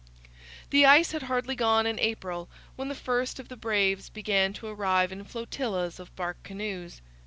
The ice had hardly gone in April when the first of the braves began to arrive in flotillas of bark canoes.